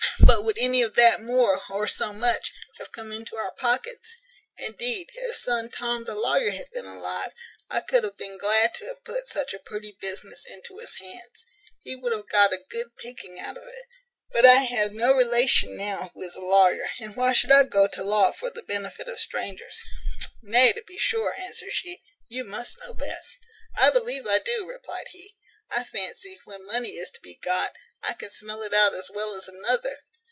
but would any of that more, or so much, have come into our pockets? Indeed, if son Tom the lawyer had been alive, I could have been glad to have put such a pretty business into his hands. He would have got a good picking out of it; but I have no relation now who is a lawyer, and why should I go to law for the benefit of strangers?" "Nay, to be sure," answered she, "you must know best." "I believe I do," replied he. "I fancy, when money is to be got, I can smell it out as well as another.